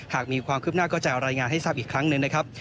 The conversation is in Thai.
หากมีความคืบหน้าก็จะรายงานให้ทราบอีกครั้งหนึ่งนะครับ